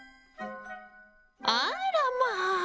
あらまあ！